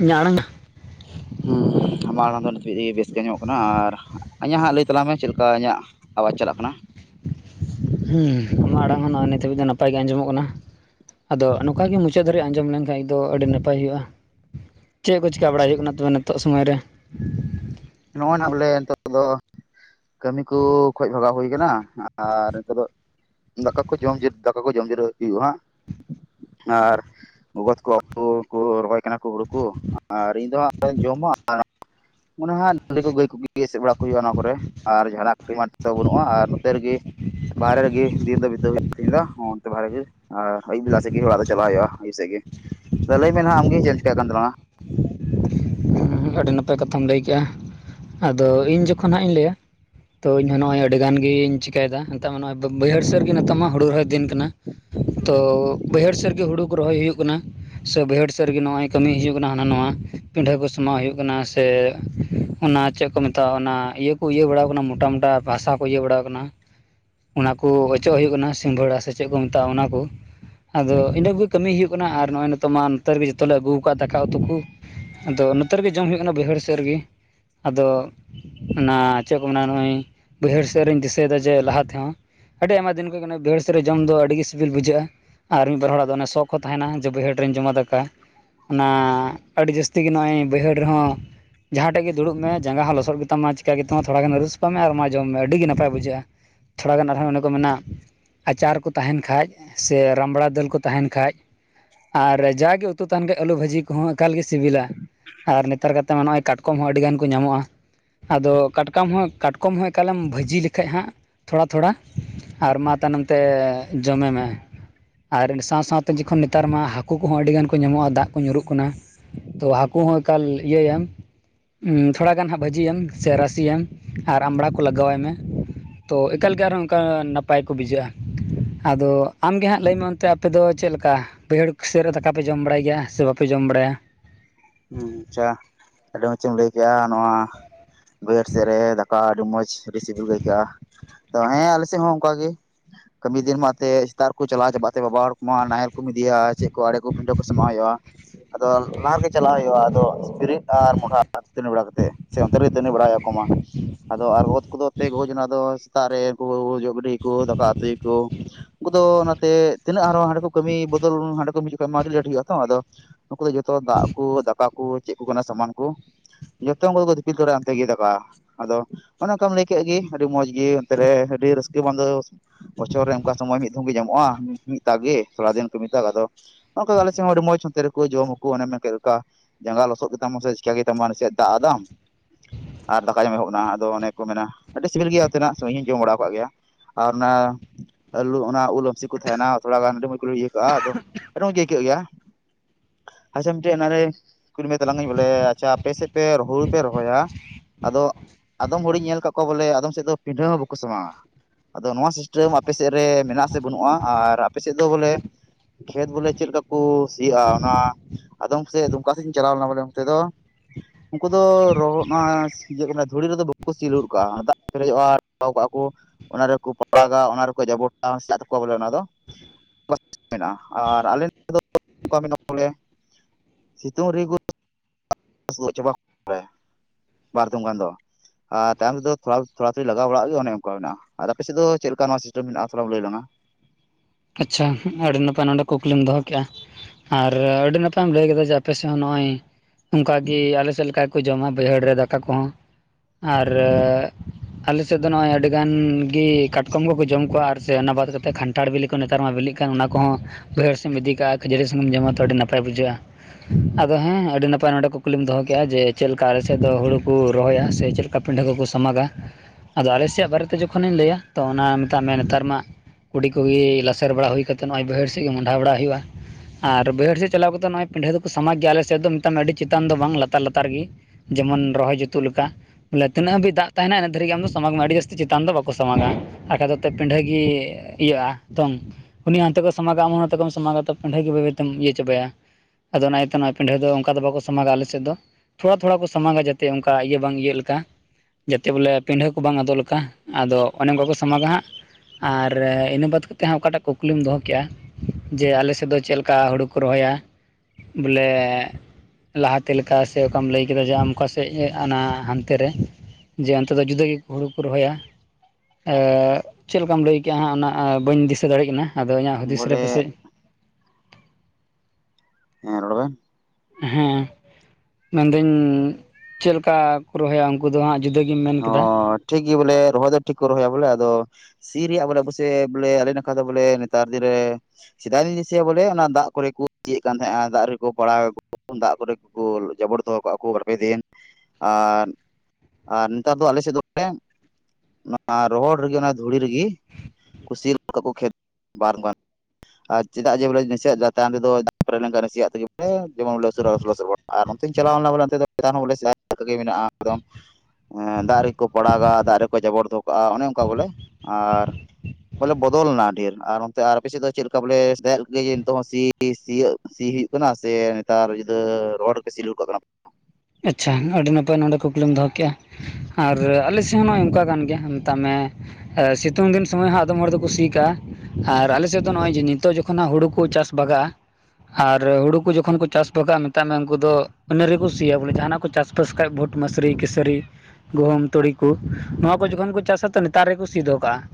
ᱤᱧᱟᱜ ᱟᱲᱟᱝᱜᱟ ᱦᱩᱸ ᱟᱢᱟᱜ ᱟᱲᱟᱝ ᱫᱚ ᱱᱤᱛ [unintelligible] ᱵᱮᱥ ᱜᱮ ᱟᱸᱡᱚᱢᱚᱜ ᱠᱟᱱᱟ ᱟᱨ ᱟᱹᱧᱟᱜ ᱦᱟᱸᱜ ᱞᱟᱹᱭ ᱛᱟᱞᱟᱝ ᱢᱮ ᱪᱮᱫ ᱞᱮᱠᱟ ᱤᱧᱟᱹᱜ ᱟᱣᱟᱡ ᱪᱟᱞᱟᱜ ᱠᱟᱱᱟ ᱦᱩᱸ ᱟᱢᱟᱜ ᱟᱲᱟᱝ ᱦᱚᱸ ᱱᱚᱜᱼᱚᱭ ᱱᱤᱛ ᱦᱟᱹᱵᱤᱡᱽ ᱫᱚ ᱱᱟᱯᱟᱭ ᱜᱮ ᱟᱸᱡᱚᱢᱚᱜ ᱠᱟᱱᱟ ᱟᱫᱚ ᱱᱚᱝᱠᱟ ᱜᱮ ᱢᱩᱪᱟᱹᱫ ᱫᱷᱟᱹᱨᱤᱡ ᱟᱸᱡᱚᱢ ᱞᱮᱱᱠᱷᱟᱡᱽ ᱫᱚ ᱟᱹᱰᱤ ᱱᱟᱯᱟᱭ ᱦᱩᱭᱩᱜᱼᱟ ᱪᱮᱫ ᱠᱚ ᱪᱮᱠᱟ ᱵᱟᱲᱟᱭ ᱟᱪᱪᱷᱟ ᱦᱩᱭᱩᱜ ᱠᱟᱱᱟ ᱛᱚᱵᱮ ᱱᱤᱛᱚᱜ ᱥᱚᱢᱚᱭ ᱨᱮ ᱱᱚᱜᱼᱚᱭ ᱱᱟᱦ ᱵᱚᱞᱮ ᱱᱤᱛᱚᱜ ᱫᱚ ᱠᱟᱹᱢᱤ ᱠᱩᱸ ᱠᱷᱚᱡᱽ ᱵᱷᱟᱜᱟᱣ ᱦᱩᱭ ᱟᱠᱟᱱᱟ ᱟᱨ ᱱᱤᱛᱚᱜ ᱫᱚ ᱫᱟᱠᱟ ᱠᱚ ᱡᱚᱢ ᱡᱤᱫ ᱫᱟᱠᱟ ᱠᱚ ᱡᱚᱢ ᱡᱤᱨᱟᱹ ᱦᱩᱭᱩᱜᱼᱟ ᱟᱨ ᱜᱚᱜᱚ ᱛᱟᱠᱚ ᱠᱚ ᱠᱚ ᱨᱚᱦᱚᱭ ᱠᱟᱱᱟ ᱠᱷᱩᱲ ᱠᱩ ᱟᱨ ᱤᱧ ᱫᱚᱦᱟᱜ ᱡᱚᱢᱟ ᱟᱨ ᱚᱱᱟ ᱦᱟᱜ ᱞᱤ ᱠᱚ ᱜᱟᱹᱭ ᱠᱚᱜᱮ ᱮᱥᱮᱫ ᱵᱟᱲᱟ ᱠᱚ ᱦᱩᱭᱩᱜᱼᱟ ᱚᱱᱟ ᱠᱚᱨᱮ ᱟᱨ ᱡᱟᱦᱟᱱᱟᱜ ᱴᱨᱤᱢᱟᱢ ᱫᱚ ᱵᱟᱹᱱᱩᱜᱼᱟ ᱟᱨ ᱱᱚᱛᱮ ᱨᱮᱜᱮ ᱵᱟᱦᱨᱮ ᱨᱮᱜᱤ ᱫᱤᱱ ᱫᱚ ᱵᱤᱛᱟᱹᱣ ᱦᱩᱭᱩᱜᱼᱟ ᱛᱤᱦᱤᱧ ᱫᱚ ᱦᱚᱸ ᱚᱱᱛᱮ ᱵᱟᱦᱨᱮ ᱜᱤᱨ ᱟᱻ ᱟᱭᱩᱵ ᱵᱮᱞᱟ ᱥᱮᱡᱽ ᱜᱮ ᱚᱲᱟᱜ ᱫᱚ ᱪᱟᱞᱟᱜ ᱦᱩᱭᱩᱜᱼᱟ ᱟᱭᱩᱵ ᱥᱮᱫ ᱜᱮ ᱟᱫᱚ ᱞᱟᱹᱭ ᱢᱮ ᱱᱟᱦ ᱟᱢᱜᱮ ᱪᱮᱫ ᱮᱢ ᱪᱤᱠᱟᱹᱭ ᱠᱟᱱ ᱛᱟᱞᱟᱝᱼᱟ ᱟᱹᱰᱤ ᱱᱟᱯᱟᱭ ᱠᱟᱛᱷᱟᱢ ᱞᱟᱹᱭ ᱠᱮᱜᱼᱟ ᱟᱫᱚ ᱤᱧ ᱡᱚᱠᱷᱚᱱ ᱦᱟᱸᱜ ᱤᱧ ᱞᱟᱹᱭᱟ ᱛᱚ ᱤᱧᱦᱚᱸ ᱱᱚᱜᱼᱚᱭ ᱟᱹᱰᱤ ᱜᱟᱱ ᱜᱤᱧ ᱪᱤᱠᱟᱭᱮᱫᱟ ᱱᱮᱛᱚᱜ ᱢᱟ ᱱᱚᱜᱼᱚᱭ ᱵᱟᱹᱵ ᱵᱟᱹᱭᱦᱟᱹᱲ ᱥᱮᱫ ᱨᱮᱜᱤ ᱱᱤᱛᱚᱜ ᱢᱟ ᱦᱩᱲᱩ ᱨᱚᱦᱚᱭ ᱫᱤᱱ ᱠᱟᱱᱟ ᱛᱚᱻ ᱵᱟᱹᱭᱦᱟᱹᱲ ᱥᱮᱫ ᱨᱮᱜᱤ ᱦᱩᱲᱩ ᱠᱚ ᱨᱚᱦᱚᱭ ᱦᱩᱭᱩᱜ ᱠᱟᱱᱟ ᱥᱮ ᱵᱟᱹᱭᱦᱟᱹᱲ ᱥᱮᱫ ᱨᱮᱜ ᱱᱚᱜᱼᱚᱭ ᱠᱟᱹᱢᱤ ᱦᱩᱭᱩᱜ ᱠᱟᱱᱟ ᱦᱟᱱᱟ ᱱᱟᱣᱟ ᱯᱤᱰᱷᱟᱹ ᱠᱩᱥ ᱮᱢᱟᱣ ᱦᱩᱭᱩᱜ ᱠᱟᱱᱟ ᱥᱮ ᱚᱱᱟ ᱪᱮᱫ ᱠᱚ ᱢᱮᱛᱟᱜᱼᱟ ᱚᱱᱟ ᱤᱭᱟᱹ ᱠᱚ ᱤᱭᱟᱹ ᱵᱟᱲᱟᱣ ᱠᱟᱱᱟ ᱢᱚᱴᱟ ᱢᱚᱴᱟ ᱵᱷᱟᱥᱟ ᱤᱭᱟᱹ ᱵᱟᱲᱟ ᱟᱠᱟᱱᱟ ᱚᱱᱟ ᱠᱚ ᱚᱪᱚᱜ ᱦᱩᱭᱩᱜ ᱠᱟᱱᱟ ᱥᱤᱵᱷᱟᱹᱲᱟ ᱥᱮ ᱪᱮᱫ ᱠᱚ ᱢᱮᱛᱟᱜᱼᱟ ᱚᱱᱟ ᱠᱚ ᱟᱫᱚ ᱤᱱᱟᱹ ᱠᱚᱜᱮ ᱠᱟᱹᱢᱤ ᱦᱩᱭᱩᱜ ᱠᱟᱱᱟ ᱟᱨ ᱱᱚᱜᱼᱚᱭ ᱱᱤᱛᱚᱜ ᱢᱟ ᱱᱚᱛᱮ ᱨᱮᱜᱮ ᱡᱚᱛᱚ ᱞᱮ ᱟᱹᱜᱩ ᱠᱟᱜ-ᱟ ᱫᱟᱠᱟ ᱩᱛᱩ ᱠᱩ ᱟᱫᱚ ᱱᱚᱛᱮ ᱨᱮᱜᱮ ᱡᱚᱢ ᱦᱩᱭᱩᱜ ᱠᱟᱱᱟ ᱵᱟᱹᱭᱦᱟᱹᱲ ᱥᱮᱫ ᱨᱮᱜᱮ ᱟᱫᱚ ᱚᱱᱟ ᱪᱮᱫ ᱠᱚ ᱢᱮᱱᱟ ᱱᱚᱜᱼᱚᱭ ᱵᱟᱹᱭᱦᱟᱹᱲ ᱥᱮᱫ ᱨᱮᱧ ᱫᱤᱥᱟᱹᱭ ᱫᱟ ᱡᱮ ᱞᱟᱦᱟ ᱛᱮᱦᱚᱸ ᱟᱹᱰᱤ ᱟᱭᱢᱟ ᱫᱤᱱ ᱠᱷᱚᱡ ᱠᱟᱱᱟ ᱵᱟᱹᱭᱦᱟᱹᱲ ᱥᱮᱫ ᱨᱮ ᱡᱚᱢ ᱫᱚ ᱟᱹᱰᱤ ᱜᱮ ᱥᱤᱵᱤᱞ ᱵᱩᱡᱷᱟᱹᱜᱼᱟ ᱟᱨ ᱢᱤᱫ ᱵᱟᱨ ᱦᱚᱲᱟᱜ ᱫᱚ ᱚᱱᱟ ᱥᱚᱠ ᱦᱚᱸ ᱛᱟᱦᱮᱱᱟ ᱡᱮ ᱵᱟᱹᱭᱦᱟᱹᱲ ᱨᱮᱧ ᱡᱚᱢᱟ ᱫᱟᱠᱟ ᱚᱱᱟ ᱟᱹᱰᱤ ᱡᱟᱹᱥᱛᱤ ᱜᱮ ᱱᱚᱜᱼᱚᱭ ᱵᱟᱹᱭᱦᱟᱹᱲ ᱨᱮᱦᱚᱸ ᱡᱟᱦᱟᱸ ᱴᱷᱮᱡ ᱜᱮ ᱫᱩᱲᱩᱵ ᱢᱮ ᱡᱟᱸᱜᱟ ᱦᱚᱸ ᱞᱚᱥᱚᱫ ᱜᱮᱛᱟᱢᱟ ᱪᱤᱠᱟᱹ ᱜᱮᱛᱟᱢ ᱛᱷᱚᱲᱟ ᱜᱟᱱ ᱟᱹᱨᱩᱥ ᱥᱟᱯᱟᱜ ᱢᱮ ᱟᱨ ᱢᱟ ᱡᱚᱢ ᱢᱮ ᱟᱹᱰᱤ ᱜᱮ ᱱᱟᱯᱟᱭ ᱵᱩᱡᱷᱟᱹᱜᱼᱟ ᱛᱷᱚᱲᱟ ᱜᱟᱱ ᱟᱨᱦᱚᱸ ᱚᱱᱮ ᱠᱚ ᱢᱮᱱᱟᱜᱼᱟ ᱟᱪᱟᱨ ᱠᱚ ᱛᱟᱦᱮᱱ ᱠᱷᱟᱡ ᱥᱮ ᱨᱟᱢᱲᱟ ᱫᱟᱹᱞ ᱠᱚ ᱛᱟᱦᱮᱱ ᱠᱷᱟᱡ ᱟᱨ ᱡᱟᱣᱜᱮ ᱩᱛᱩ ᱛᱟᱦᱮᱱ ᱠᱷᱟᱡ ᱟᱹᱞᱩ ᱵᱷᱟᱹᱡᱤ ᱠᱚᱦᱚᱸ ᱮᱠᱟᱞ ᱜᱮ ᱥᱤᱵᱤᱞᱟ ᱟᱨ ᱱᱮᱛᱟᱨ ᱠᱟᱛᱮᱫ ᱦᱚᱸ ᱱᱚᱜᱼᱚᱭ ᱠᱟᱴᱠᱚᱢ ᱦᱚᱸ ᱟᱹᱰᱤᱜᱟᱱ ᱠᱚ ᱧᱟᱢᱚᱜᱼᱟ ᱟᱫᱚ ᱠᱟᱴᱠᱟᱢ ᱦᱚᱸ ᱠᱟᱴᱠᱚᱢ ᱦᱚᱸ ᱮᱠᱟᱞᱮᱢ ᱵᱷᱟᱹᱡᱤ ᱞᱮᱠᱷᱟᱡᱽ ᱦᱟᱸᱜ ᱛᱷᱚᱲᱟ ᱛᱷᱚᱲᱟ ᱟᱨ ᱢᱟ ᱛᱟᱭᱱᱚᱢ ᱛᱮ ᱡᱚᱢᱮ ᱢᱮ ᱟᱨ ᱥᱟᱶ ᱥᱟᱶᱛᱮ ᱡᱮᱠᱷᱚᱱ ᱱᱮᱛᱟᱨ ᱢᱟ ᱦᱟᱹᱠᱩ ᱠᱚᱦᱚᱸ ᱟᱹᱰᱤ ᱜᱟᱱ ᱠᱚ ᱧᱟᱢᱚᱜᱼᱟ ᱫᱟᱜ ᱠᱚ ᱧᱩᱨᱩᱜ ᱠᱟᱱᱟ ᱛᱳ ᱦᱟᱹᱠᱩ ᱦᱚᱸ ᱮᱠᱟᱞ ᱤᱭᱟᱹᱭᱟᱢ ᱛᱷᱚᱲᱟ ᱜᱟᱱ ᱦᱟᱸᱜ ᱵᱷᱟᱹᱡᱤ ᱭᱮᱢ ᱥᱮ ᱨᱟᱥᱤ ᱭᱮᱢ ᱟᱨ ᱟᱢᱲᱟ ᱠᱚ ᱞᱟᱜᱟᱣᱟᱭ ᱢᱮ ᱛᱚ ᱮᱠᱟᱞ ᱜᱮ ᱟᱨᱦᱚᱸ ᱚᱱᱠᱟ ᱱᱟᱯᱟᱭ ᱠᱚ ᱵᱩᱡᱷᱟᱹᱜᱼᱟ ᱟᱫᱚ ᱟᱢᱜᱮ ᱦᱟᱸᱜ ᱞᱟᱹᱭᱢᱮ ᱚᱱᱛᱮ ᱟᱯᱮ ᱫᱚ ᱪᱮᱫ ᱞᱮᱠᱟ ᱵᱟᱹᱭᱦᱟᱹᱲ ᱠᱚ ᱥᱮᱫ ᱨᱮ ᱫᱟᱠᱟ ᱯᱮ ᱡᱚᱢ ᱵᱟᱲᱟᱭ ᱜᱮᱭᱟ ᱥᱮ ᱵᱟᱯᱮ ᱡᱚᱢ ᱵᱟᱲᱟᱭ-ᱟ ᱩᱸ ᱪᱟ ᱟᱹᱰᱤ ᱢᱚᱡᱽ ᱮᱢ ᱞᱟᱹᱭ ᱠᱮᱜ-ᱟ ᱱᱚᱣᱟ ᱵᱟᱹᱭᱦᱟᱹᱲ ᱥᱮᱫ ᱨᱮ ᱫᱟᱠᱟ ᱟᱹᱰᱤ ᱢᱚᱡᱽ ᱟᱹᱰᱤ ᱥᱤᱵᱤᱞ ᱜᱮ ᱪᱟ, ᱛᱚ ᱦᱮᱸ ᱟᱞᱮ ᱥᱮᱫ ᱦᱚᱸ ᱚᱱᱠᱟ ᱜᱮ ᱠᱟᱹᱢᱤ ᱫᱤᱱ ᱢᱟ ᱮᱛᱮ ᱥᱮᱛᱟ ᱨᱮᱠᱚ ᱪᱟᱞᱟᱣ ᱪᱟᱵᱟᱜ ᱛᱮ ᱵᱟᱵᱟ ᱦᱚᱲ ᱠᱚᱢᱟ ᱱᱟᱦᱮᱞ ᱠᱚᱢ ᱤᱫᱤᱭᱟ ᱪᱮᱫ ᱠᱚ ᱟᱲᱮ ᱠᱚ ᱯᱤᱰᱟᱹ ᱠᱚ ᱥᱮᱢᱟᱣ ᱦᱩᱭᱩᱜᱼᱟ ᱟᱫᱚ ᱞᱟᱦᱟ ᱨᱮᱜᱮ ᱪᱟᱞᱟᱜ ᱦᱩᱭᱩᱜᱼᱟ ᱟᱫᱚ ᱵᱤᱨᱤᱫ ᱟᱨ ᱢᱳᱰᱷᱟ ᱟᱨ ᱫᱟᱹᱛᱟᱹᱱᱤ ᱵᱟᱲᱟ ᱠᱟᱛᱮᱜ ᱥᱮ ᱚᱱᱛᱮ ᱨᱮ ᱫᱟᱹᱛᱟᱹᱱᱤ ᱵᱟᱲᱟ ᱠᱚ ᱢᱟ ᱟᱫᱚ ᱟᱨ ᱚᱛ ᱠᱚᱫᱚ [unintelligible] ᱫᱚ ᱥᱮᱛᱟᱜ ᱨᱮ ᱩᱱ ᱡᱚᱜ ᱜᱤᱰ ᱟᱠᱚ ᱫᱟᱠᱟ ᱩᱛᱩ ᱭᱟ ᱠᱚ ᱩᱱᱠᱩ ᱫᱚ ᱚᱱᱟᱛᱮ ᱛᱤᱱᱟᱹᱜ ᱟᱨᱚᱸ ᱦᱟᱸᱰᱮ ᱠᱚ ᱠᱟᱹᱢᱤ ᱵᱚᱫᱚᱞ ᱦᱟᱸᱰᱮ ᱠᱚ ᱦᱤᱡᱩ ᱢᱟ ᱟᱹᱰᱤ ᱞᱮᱴ ᱦᱩᱭᱩᱜᱼᱟ ᱛᱚ ᱟᱫᱚ ᱱᱩᱠᱩ ᱫᱚ ᱡᱚᱛᱚ ᱫᱟᱜ ᱠᱚ ᱫᱟᱠᱟ ᱠᱚ ᱪᱮᱫ ᱠᱚ ᱠᱟᱱᱟ ᱥᱟᱢᱟᱱ ᱠᱚ ᱡᱚᱛᱚ ᱩᱱᱠᱚ ᱫᱚᱠᱚ ᱫᱤᱯᱤᱞ ᱫᱟᱲᱮᱭᱟᱜ-ᱟ ᱚᱱᱛᱮ ᱜᱮ ᱫᱟᱠᱟ ᱟᱫᱚ ᱚᱱᱮ ᱚᱱᱠᱟᱢ ᱞᱟᱹᱭ ᱠᱮᱫ ᱜᱮ ᱟᱹᱰᱤ ᱢᱚᱡᱽ ᱜᱮ ᱚᱱᱛᱮ ᱨᱮ ᱟᱹᱰᱤ ᱨᱟᱹᱥᱠᱟᱹ ᱵᱟᱝ ᱫᱚ ᱵᱚᱪᱷᱚᱨ ᱨᱮ ᱚᱱᱠᱟ ᱥᱚᱢᱚᱭ ᱢᱤᱫ ᱫᱷᱚᱢ ᱜᱮ ᱧᱟᱢᱚᱜᱼᱟ ᱢᱤᱫ ᱫᱟᱜ ᱜᱮ ᱛᱷᱚᱲᱟ ᱫᱤᱱ ᱠᱚᱹᱢᱤ ᱛᱟᱠ ᱟᱫᱚ ᱱᱚᱝᱠᱟᱱ ᱜᱮ ᱟᱞᱮ ᱦᱚᱸ ᱟᱹᱰᱤ ᱢᱚᱡᱽ ᱦᱟᱱᱛᱮ ᱨᱮᱠᱚ ᱡᱚᱢ ᱩᱠᱩ ᱚᱱᱮᱢ ᱢᱮᱱ ᱠᱮᱫ ᱠᱟ ᱡᱟᱸᱜᱟ ᱞᱚᱥᱚᱜ ᱜᱮᱛᱟᱢᱟ ᱥᱮ ᱪᱤᱠᱟᱹ ᱜᱮᱛᱟᱢᱟ ᱱᱟᱥᱮ ᱫᱟᱜ ᱟᱫᱟᱢ ᱟᱨ ᱫᱟᱠᱟ ᱡᱚᱢ ᱮᱦᱚᱵᱱᱟ ᱟᱫᱚ ᱚᱱᱮ ᱠᱚ ᱢᱮᱱᱟ ᱟᱹᱰᱤ ᱥᱤᱵᱤᱞ ᱜᱮᱭᱟ ᱚᱱᱛᱮᱱᱟᱜ ᱥᱚ ᱤᱧ ᱦᱚᱧ ᱡᱚᱢ ᱵᱟᱲᱟ ᱠᱟᱫ ᱜᱮᱭᱟ ᱦᱟᱜ ᱟᱨ ᱚᱱᱟ ᱟᱞᱩ ᱚᱱᱟ ᱩᱞ ᱟᱢᱥᱤ ᱠᱚ ᱛᱟᱦᱮᱱᱟ ᱛᱷᱚᱲᱟ ᱜᱟᱱ ᱟᱹᱰᱤ ᱢᱚᱡᱽ ᱠᱚ ᱤᱭᱟᱹ ᱠᱟᱜᱼᱟ ᱟᱫᱚ ᱟᱹᱰᱤ ᱢᱚᱡᱽ ᱜᱮ ᱟᱹᱭᱠᱟᱹᱜ ᱜᱮᱭᱟ ᱟᱪᱪᱷᱟ ᱢᱤᱫᱴᱮᱝ ᱚᱱᱟᱨᱮ ᱠᱩᱞᱤᱢ ᱛᱟᱞᱟᱝ ᱟᱹᱧ ᱵᱚᱞᱮ ᱟᱪᱪᱷᱟ ᱟᱯᱮ ᱥᱮᱫ ᱯᱮ ᱦᱩᱨᱩ ᱯᱮ ᱨᱚᱦᱚᱭᱟ ᱟᱫᱚ ᱟᱫᱚᱢ ᱦᱚᱲᱤᱧ ᱧᱮᱞ ᱠᱟᱫ ᱠᱚᱣᱟ ᱵᱚᱞᱮ ᱟᱫᱚᱢ ᱥᱮᱫ ᱫᱚ ᱯᱤᱰᱟᱹ ᱦᱚᱸ ᱵᱟᱠᱚ ᱥᱟᱢᱟᱜ ᱼᱟ ᱟᱫᱚ ᱱᱚᱣᱟ ᱥᱤᱥᱴᱮᱢ ᱟᱯᱮ ᱥᱮᱫ ᱨᱮ ᱢᱮᱱᱟᱜ ᱟᱥᱮ ᱵᱟᱹᱱᱩᱜᱼᱟ ᱟᱨ ᱟᱯᱮ ᱥᱮᱫ ᱫᱚ ᱵᱚᱞᱮ ᱠᱷᱮᱛ ᱵᱚᱞᱮ ᱪᱮᱫ ᱞᱮᱠᱟ ᱠᱚ ᱥᱤᱭᱟᱜᱼᱟ ᱚᱱᱟ ᱟᱫᱚᱢ ᱥᱮᱫ ᱫᱩᱢᱠᱟ ᱥᱮᱫ ᱤᱧ ᱪᱟᱞᱟᱣ ᱞᱮᱱᱟ ᱵᱚᱞᱮ ᱚᱱᱛᱮ ᱫᱚ ᱩᱱᱠᱩ ᱫᱚ ᱨᱚᱦᱚ ᱱᱚᱣᱟ [unintelligible] ᱫᱷᱩᱲᱤ ᱨᱮᱫᱚ ᱵᱟᱠᱚ ᱥᱤ ᱞᱟᱦᱩᱫ ᱠᱟᱜᱼᱟ ᱫᱟᱜ ᱠᱚ ᱯᱮᱨᱮᱡᱚᱜᱼᱟ ᱟᱨ ᱫᱚᱦᱚ ᱠᱟᱜ ᱟᱠᱚ ᱚᱱᱟ ᱨᱮᱠᱚ ᱯᱟᱲᱟᱜᱟ ᱚᱱᱟ ᱨᱮᱠᱚ ᱡᱟᱵᱚᱴᱟ ᱥᱮᱭᱟᱜ ᱛᱟᱠᱚᱣᱟ ᱵᱚᱞᱮ ᱚᱱᱟ ᱫᱚ ᱢᱮᱱᱟᱜᱼᱟ ᱟᱨ ᱟᱞᱮ ᱱᱚ ᱫᱚᱠᱟ ᱵᱚᱞᱮ ᱥᱤᱛᱩᱝ ᱨᱮᱜᱮ ᱠᱚ ᱪᱟᱵᱟ [inaudible] ᱵᱟᱨ ᱫᱚᱢ ᱜᱟᱱ ᱫᱚ ᱟᱨ ᱛᱟᱭᱚᱢ ᱛᱮᱫᱚ ᱛᱷᱚᱲᱟ ᱛᱷᱚᱲᱟ ᱛᱷᱚᱲᱤ ᱞᱟᱜᱟᱣ ᱵᱟᱲᱟᱜ ᱜᱮ ᱚᱱᱮ ᱚᱱᱠᱟ ᱢᱮᱱᱟᱜᱼᱟ ᱟᱨ ᱟᱯᱮ ᱥᱮᱫ ᱫᱚ ᱪᱮᱫ ᱞᱮᱠᱟ ᱱᱚᱣᱟ ᱥᱤᱥᱴᱮᱢ ᱢᱮᱱᱟᱜᱼᱟ ᱛᱚᱲᱟᱢ ᱞᱟᱹᱭ ᱞᱟᱝᱟ ᱟᱪᱪᱷᱟ ᱟᱹᱰᱤ ᱱᱟᱯᱟᱭ ᱱᱚᱰᱮ ᱠᱩᱠᱞᱤᱢ ᱫᱚᱦᱚ ᱠᱮᱫᱼᱟ ᱟᱨ ᱟᱹᱰᱤ ᱱᱟᱯᱟᱭᱢ ᱞᱟᱹᱭ ᱠᱮᱫᱟ ᱡᱮ ᱟᱯᱮ ᱥᱮᱫ ᱦᱚᱸ ᱱᱚᱜᱼᱚᱭ ᱚᱱᱠᱟᱜᱮ ᱟᱞᱮ ᱥᱮᱫ ᱞᱮᱠᱟ ᱜᱮ ᱠᱚ ᱡᱚᱢᱟ ᱵᱟᱹᱭᱦᱟᱹᱲ ᱨᱮ ᱫᱟᱠᱟ ᱠᱚᱸᱦᱚᱸ ᱟᱨ ᱟᱞᱮᱮᱥᱮᱫ ᱫᱚ ᱱᱚᱜ-ᱚᱭ ᱟᱹᱰᱤ ᱜᱟᱱ ᱜᱮ ᱠᱟᱴᱠᱚᱢ ᱠᱚ-ᱠᱚ ᱡᱚᱢ ᱠᱚᱣᱟ ᱟᱨ ᱥᱮ ᱚᱱᱟ ᱵᱟᱫ ᱠᱟᱛᱮ ᱠᱟᱱᱴᱷᱟᱲ ᱵᱤᱞᱤ ᱱᱮᱛᱟᱨ ᱢᱟ ᱵᱤᱞᱤᱜ ᱠᱟᱱᱟᱱ ᱚᱱᱟ ᱠᱚᱦᱚᱸ ᱵᱟᱹᱭᱦᱟᱹᱲ ᱥᱮᱫ ᱮᱢ ᱤ ᱠᱟᱜᱼᱟ ᱠᱷᱟᱹᱡᱟᱹᱲᱤ ᱥᱟᱞᱟᱜ ᱮᱢ ᱡᱚᱢᱟ ᱛᱚ ᱟᱹᱰᱤ ᱱᱟᱯᱟᱭ ᱵᱩᱡᱷᱟᱹᱜᱼᱟ ᱟᱫᱚ ᱦᱮᱸ ᱟᱹᱰᱤ ᱱᱟᱯᱟᱭ ᱱᱚᱰᱮ ᱠᱩᱠᱞᱤᱢ ᱫᱚᱦᱚ ᱠᱮᱜᱼᱟ ᱡᱮ ᱪᱮᱫ ᱞᱮᱠᱟ ᱟᱞᱮ ᱥᱮᱫ ᱫᱚ ᱦᱩᱲᱩ ᱠᱚ ᱨᱚᱦᱚᱭᱟ? ᱥᱮ ᱪᱮᱫ ᱼᱼ ᱚᱠᱟ ᱯᱤᱰᱷᱦᱮᱹ ᱠᱚᱠᱚ ᱥᱟᱢᱟᱜᱟ। ᱟᱫᱚ ᱟᱞᱮᱥᱭᱟᱜ ᱵᱟᱨᱮᱛᱮ ᱡᱚᱠᱷᱚᱱᱤᱧ ᱞᱟᱹᱭᱟ ᱛᱚ ᱚᱱᱟ ᱢᱮᱛᱟᱜ ᱢᱮ ᱱᱮᱛᱟᱨ ᱢᱟ ᱠᱩᱲᱤ ᱠᱚᱜᱮ ᱼᱼ ᱞᱟᱥᱮᱨ ᱵᱟᱲᱟ ᱦᱩᱭ ᱠᱟᱛᱮᱫ ᱱᱚᱜᱼᱚᱭ ᱵᱟᱹᱭᱦᱟᱹᱲ ᱥᱮᱫ ᱜᱮ ᱢᱚᱦᱰᱷᱟ ᱵᱟᱲᱟ ᱦᱩᱭᱩᱜᱼᱟ। ᱟᱨ ᱵᱟᱹᱭᱦᱟᱹᱲ ᱥᱮᱫ ᱪᱟᱞᱟᱣ ᱠᱟᱛᱮᱜ ᱱᱚᱜᱼᱚᱭ ᱯᱤᱰᱟᱹ ᱫᱚ ᱥᱟᱢᱟᱜ ᱜᱮᱭᱟ ᱟᱞᱮᱥᱮᱫ ᱫᱚ ᱛᱟᱢ ᱟᱹᱰᱤ ᱪᱮᱛᱟᱱ ᱫᱚ ᱵᱟᱝ ᱞᱟᱛᱟᱨ ᱞᱟᱛᱟᱨ ᱜᱮ। ᱡᱮᱢᱚᱱ ᱨᱚᱦᱚᱭ ᱡᱩᱛᱩᱜ ᱞᱮᱠᱟ। ᱵᱚᱞᱮ ᱛᱤᱱᱟᱹᱜ ᱦᱟᱹᱵᱤᱡ ᱫᱟᱜ ᱦᱮᱱᱟᱹ ᱤᱱᱟᱹᱜ ᱫᱷᱟᱹᱨᱤᱡ ᱜᱮ ᱟᱢ ᱫᱚ ᱥᱟᱢᱟᱝ ᱢᱮ ᱟᱹᱰᱤ ᱡᱟᱹᱥᱛᱤ ᱪᱮᱛᱟᱱ ᱫᱚ ᱵᱟᱠᱚ ᱥᱟᱢᱟᱜᱟ। ᱟᱨᱠᱷᱟ ᱡᱚᱛᱚ ᱯᱤᱰᱷᱟᱹ ᱜᱮ ᱤᱭᱟᱹᱜᱼᱟ। ᱛᱚᱝ ᱩᱱᱤ ᱦᱟᱱᱛᱮ ᱠᱷᱚᱱ ᱥᱟᱢᱟᱜᱟ ᱟᱢ ᱦᱚᱸ ᱚᱱᱟᱛᱮ ᱠᱷᱚᱱ ᱥᱟᱢᱟᱝᱟ ᱛᱚ ᱯᱤᱰᱷᱟᱹ ᱜᱮ ᱵᱟᱹᱭ ᱵᱟᱸᱭ ᱛᱮᱢ ᱤᱭᱟᱹ ᱪᱟᱵᱟᱭᱟ। ᱟᱫᱚ ᱚᱱᱟ ᱜᱮᱛᱚ ᱱᱚᱣᱟ ᱯᱤᱰᱷᱟᱹ ᱫᱚ ᱚᱱᱠᱟ ᱫᱚ ᱵᱟᱠᱚ ᱥᱚᱢᱟᱜᱟ ᱟᱞᱮ ᱥᱮᱫ ᱫᱚ ᱛᱷᱚᱲᱟ ᱛᱷᱚᱲᱟ ᱠᱚ ᱥᱟᱢᱟᱜᱟ ᱡᱟᱛᱮ ᱚᱱᱠᱟ ᱤᱭᱟᱹ ᱵᱟᱝ ᱤᱭᱟᱹᱜ ᱞᱮᱠᱟ। ᱡᱟᱛᱮ ᱵᱚᱞᱮ ᱯᱤᱰᱷᱟᱹ ᱠᱚ ᱵᱟᱝ ᱟᱫᱚᱜ ᱞᱮᱠᱟ ᱟᱫᱚ ᱚᱱᱮ ᱚᱱᱠᱟ ᱠᱚ ᱥᱟᱢᱟᱜᱟ ᱦᱟᱸᱜ। ᱟᱨ ᱤᱱᱟᱹ ᱵᱟᱛ ᱠᱟ ᱼᱼ ᱛᱮᱦᱚᱸ ᱚᱠᱟᱴᱟᱜ ᱠᱩᱠᱞᱤᱢ ᱫᱚᱦᱚ ᱠᱮᱫᱼᱟ ᱡᱮ ᱟᱞᱮᱥᱮᱫ ᱫᱚ ᱪᱮᱫ ᱞᱮᱠᱟ ᱦᱩᱲᱩ ᱠᱚ ᱨᱚᱦᱚᱭᱟ᱾ ᱵᱚᱞᱮ ᱞᱟᱦᱟᱛᱮ ᱞᱮᱠᱟ ᱥᱮ ᱚᱠᱟᱢ ᱞᱟᱹᱭ ᱠᱮᱫᱟ ᱡᱮ ᱟᱢ ᱚᱠᱟ ᱥᱮᱫ ᱚᱱᱟ ᱦᱟᱱᱛᱮ ᱨᱮ ᱼᱼ ᱡᱮ ᱚᱱᱛᱮ ᱫᱚ ᱡᱩᱫᱟᱹ ᱜᱮ ᱦᱩᱲᱩ ᱠᱚ ᱨᱚᱦᱚᱭᱟ। ᱮᱻ ᱪᱮᱫ ᱞᱮᱠᱟᱢ ᱞᱟᱹᱭ ᱠᱮᱜᱼᱟ ᱦᱟᱸᱜ ᱚᱱᱟ ᱵᱟᱹᱧ ᱫᱤᱥᱟᱹ ᱫᱟᱲᱮᱭᱟᱜ ᱠᱟᱱᱟ ᱟᱫᱚ ᱤᱧᱟᱹᱜ ᱦᱩᱫᱤᱥ ᱨᱮ ᱵᱚᱞᱮ ᱯᱟᱥᱮᱡ ᱼᱼ ᱦᱮᱸ ᱨᱚᱲ ᱵᱮᱱ ᱦᱮᱸ ᱢᱮᱱᱫᱟᱹᱧ ᱪᱮᱫ ᱞᱮᱠᱟ ᱠᱚ ᱨᱚᱦᱚᱭᱟ? ᱫᱚ ᱦᱟᱸᱜ ᱡᱩᱫᱟᱹ ᱜᱮᱢ ᱢᱮᱱ ᱚ ᱠᱮᱫᱟ। ᱴᱷᱤᱠ ᱜᱮ ᱵᱚᱞᱮ ᱨᱚᱦᱚᱭ ᱫᱚ ᱴᱷᱤᱠ ᱨᱚᱦᱭᱟ ᱵᱚᱞᱮ ᱟᱫᱚ ᱼᱼ ᱥᱤ ᱨᱮᱭᱟᱜ ᱵᱚᱞᱮ ᱵᱚᱥᱮ ᱵᱚᱞᱮ ᱟᱞᱮ ᱱᱟᱠᱷᱟ ᱫᱚ ᱵᱚᱞᱮ ᱱᱮᱛᱟᱨ ᱫᱤᱱ ᱨᱮ ᱼᱼ ᱥᱮᱫᱟᱭ ᱫᱩᱧ ᱫᱤᱥᱭᱟ ᱵᱚᱞᱮ ᱚᱱᱟ ᱫᱟᱜ ᱠᱚᱨᱮ ᱠᱚ ᱤᱭᱮᱫ ᱠᱟᱱ ᱛᱟᱦᱮᱸᱱᱟ ᱫᱟᱜ ᱠᱚᱠᱚ ᱯᱟᱲᱟᱣᱮᱫ ᱫᱟᱜ ᱠᱚᱨᱮ ᱠᱳᱞ ᱡᱟᱵᱚᱨ ᱫᱚᱦᱚ ᱠᱟᱜᱼᱟ ᱠᱚ ᱵᱟᱨᱯᱮ ᱫᱤᱱ ᱟᱨ ᱼᱼ ᱟᱨ ᱱᱮᱛᱟᱨ ᱫᱚ ᱟᱞᱮ ᱥᱮᱫ ᱫᱚ ᱵᱚᱞᱮ ᱚᱱᱟ ᱨᱚᱦᱚᱲ ᱨᱮᱜᱮ ᱚᱱᱟ ᱫᱷᱩᱲᱤ ᱨᱮᱜᱮ ᱼᱼ ᱠᱩᱥᱤ ᱞᱮᱠᱟ ᱠᱟ ᱠᱚ ᱠᱷᱮᱛ ᱵᱟᱨ ᱜᱟᱱ ᱟᱨ ᱪᱮᱫᱟᱜ ᱡᱮ ᱵᱚᱞᱮ ᱱᱟᱥᱮᱭᱟᱜ ᱪᱮᱛᱟᱱ ᱨᱮᱫᱚ ᱫᱟᱜ ᱯᱮᱨᱮᱡ ᱞᱮᱱᱠᱷᱟᱱ ᱱᱟᱥᱮᱭᱟᱜ ᱛᱮᱜᱮ ᱵᱚᱞᱮ ᱟᱨ ᱚᱱᱚᱛᱮᱧ ᱪᱟᱞᱟᱣ ᱞᱮᱱᱟ ᱵᱚᱞᱮ ᱚᱱᱛᱮ ᱫᱚ ᱪᱮᱛᱟᱱ ᱦᱚᱸ ᱵᱚᱞᱮ ᱥᱮᱫᱮ ᱞᱮᱠᱟ ᱜᱮ ᱢᱮᱱᱟᱜᱼᱟ ᱮᱠᱫᱚᱢ। ᱫᱟᱜ ᱨᱮᱠᱚ ᱯᱟᱲᱟᱜᱟ ᱫᱟᱜ ᱨᱮᱠᱚ ᱡᱟᱵᱚᱨ ᱫᱚᱦᱚ ᱠᱟᱜᱼᱟ ᱚᱱᱮ ᱚᱱᱠᱟ ᱵᱚᱞᱮ ᱟᱨ ᱼᱼ ᱵᱚᱞᱮ ᱵᱚᱫᱚᱞᱱᱟ ᱰᱷᱮᱨ ᱟᱨ ᱚᱱᱛᱮ ᱟᱨ ᱯᱮᱥᱮᱫ ᱫᱚ ᱪᱮᱫ ᱞᱮᱠᱟ ᱵᱚᱞᱮ ᱥᱮᱫᱟᱭᱟᱜ ᱞᱮᱠᱟᱜᱮ ᱡᱮ ᱱᱤᱛᱚᱜ ᱦᱚᱸ ᱥᱤ ᱼᱼ ᱥᱤ ᱥᱤᱭᱳᱜ ᱥᱤ ᱦᱩᱭᱩᱜ ᱠᱟᱱᱟ ᱥᱮ ᱱᱮᱛᱟᱨ ᱡᱩᱫᱟᱹ ᱨᱚᱲ ᱨᱮᱯᱮ ᱥᱤ ᱨᱩᱣᱟᱹᱲ ᱠᱟᱜ ᱠᱟᱱᱟ। ᱟᱪᱪᱷᱟ ᱟᱹᱰᱤ ᱱᱟᱯᱟᱭ ᱱᱚᱰᱮ ᱠᱩᱠᱞᱤᱢ ᱫᱚᱦᱚ ᱠᱮᱜᱼᱟ। ᱟᱨ ᱟᱞᱮ ᱥᱮᱫ ᱦᱚᱸ ᱱᱚᱜᱼᱚᱭ ᱚᱱᱠᱟ ᱠᱟᱱ ᱜᱮᱭᱟ ᱢᱮᱛᱟᱜ ᱢᱮ ᱼᱼ ᱮᱻ ᱥᱤᱛᱩᱝ ᱫᱤᱱ ᱥᱚᱢᱚᱭ ᱦᱚᱸ ᱟᱫᱚᱢ ᱦᱚᱲ ᱫᱚᱠᱚ ᱥᱤ ᱠᱟᱜᱼᱟ। ᱟᱨ ᱟᱞᱮ ᱥᱮᱫ ᱫᱚ ᱱᱚᱜᱼᱚᱭ ᱡᱮ ᱱᱤᱛᱚᱜ ᱡᱚᱠᱷᱚᱱ ᱦᱩᱲᱩ ᱠᱚ ᱪᱟᱥ ᱵᱟᱜᱟᱜᱼᱟ ᱟᱨ ᱦᱩᱲᱩ ᱠᱚ ᱡᱚᱠᱷᱚᱱ ᱠᱚ ᱪᱟᱥ ᱵᱟᱜᱟᱜᱼᱟ ᱢᱮᱛᱟᱜ ᱢᱮ ᱩᱱᱠᱩ ᱫᱚ ᱤᱱᱟᱹ ᱨᱮᱠᱚ ᱼᱼ ᱥᱤᱭᱤᱭᱟ ᱵᱚᱞᱮ ᱡᱟᱦᱟᱱᱟᱜ ᱠᱚ ᱪᱟᱥᱼᱵᱟᱥ ᱠᱷᱟᱡ ᱵᱷᱩᱴ ᱢᱟᱥᱨᱤ ᱠᱮᱥᱟᱹᱨᱤ। ᱜᱩᱦᱩᱢ ᱛᱩᱲᱤ ᱠᱚ ᱱᱚᱣᱟ ᱠᱚ ᱡᱚᱠᱷᱚᱱ ᱠᱚ ᱪᱟᱥᱟ ᱛᱚ ᱱᱮᱛᱟᱨ ᱨᱮᱠᱚ ᱥᱤᱫᱚᱦᱚ ᱠᱟᱜᱼᱟ।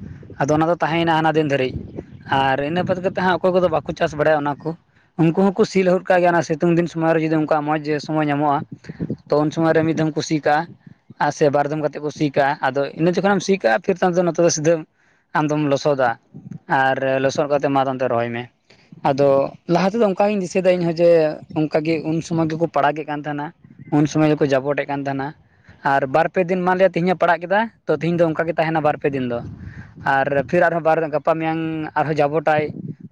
ᱟᱫᱚ ᱚᱱᱟ ᱫᱚ ᱛᱟᱦᱮᱸᱭᱮᱱᱟ ᱦᱟᱱᱟ ᱫᱤᱱ ᱫᱷᱟᱹᱨᱤᱡ ᱟᱨ ᱤᱱᱟᱹ ᱵᱟᱫ ᱠᱟ ᱠᱟᱛᱮᱫ ᱦᱟᱸᱜ ᱚᱠᱚᱭ ᱠᱚᱫᱚ ᱵᱟᱠᱚ ᱪᱟᱥ ᱵᱟᱲᱟᱭᱟ ᱚᱱᱟ ᱠᱚ᱾ ᱩᱱᱠᱩ ᱦᱚᱸᱠᱚ ᱥᱤ ᱞᱟᱹᱜᱩᱫ ᱠᱟᱜ ᱜᱮᱭᱟ ᱚᱱᱟ ᱥᱤᱛᱩᱝᱤᱱ ᱥᱚᱢ ᱨᱮ ᱡᱩᱫ ᱩᱱᱠᱩᱣᱟᱜ ᱢᱡᱽ ᱡᱮᱚᱢᱚᱭ ᱧᱟᱢᱼᱟ। ᱞᱟᱢᱚᱜ-ᱟ ᱛᱚ ᱩᱱ ᱥᱚᱢᱚᱭ ᱨᱮ ᱢᱤᱫ ᱫᱷᱟᱢ ᱠᱩᱥᱤ ᱠᱟᱜᱼᱟ। ᱟᱨ ᱥᱮ ᱵᱟᱨᱫᱚᱢ ᱠᱟᱛᱮᱫ ᱠᱚ ᱥᱤ ᱠᱟᱜᱼᱟ ᱟᱫᱚ ᱤᱱᱟᱹ ᱡᱚᱠᱷᱚᱱᱮ ᱮᱢ ᱥᱤ ᱠᱟᱜᱼᱟ ᱯᱷᱤᱨ ᱛᱚ ᱟᱢ ᱫᱚ ᱥᱤᱫᱷᱟᱹ ᱼᱼ ᱟᱢᱫᱚᱢ ᱞᱚᱥᱚᱫᱟ ᱟᱨ ᱞᱚᱥᱚᱫ ᱠᱟᱛᱮᱫ ᱢᱟ ᱛᱟᱭᱚᱢ ᱛᱮ ᱫᱚ ᱨᱚᱦᱚᱭ ᱢᱮ। ᱟᱫᱚ ᱞᱟᱦᱟ ᱛᱮᱫᱚ ᱚᱱᱠᱟᱜᱤᱧ ᱫᱤᱥᱟᱹᱭᱮᱫᱟ ᱤᱧᱦᱚ ᱡᱮ ᱚᱱᱠᱟ ᱜᱮ ᱩᱱ ᱥᱚᱢᱚᱭ ᱜᱮᱠᱚ ᱯᱟᱲᱟᱜᱮᱫ ᱼᱼ ᱠᱟᱱ ᱛᱟᱦᱮᱱᱟ ᱩᱱ ᱥᱚᱢᱚᱭ ᱫᱚᱠᱚ ᱡᱟᱵᱚᱴᱮᱜ ᱠᱟᱱ ᱛᱟᱦᱮᱱᱟ। ᱟᱨ ᱵᱟᱨ ᱯᱮ ᱫᱤᱱ ᱢᱟᱞ ᱮ ᱛᱤᱦᱤᱧᱮ ᱯᱟᱲᱦᱟᱜ ᱠᱮᱫᱟ ᱛᱚ ᱛᱤᱦᱤᱧ ᱫᱚ ᱚᱱᱠᱟ ᱜᱮ ᱛᱟᱦᱮᱱᱟ ᱵᱟᱨ ᱯᱮ ᱫᱤᱱ ᱫᱚ। ᱟᱨ ᱯᱷᱤᱨ ᱟᱨᱦᱚᱸ ᱵᱟᱨ ᱜᱟᱯᱟ ᱢᱮᱭᱟᱝ ᱟᱨᱦᱚᱸ ᱡᱟᱵᱚᱴᱟᱭ